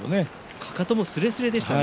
かかともすれすれでしたね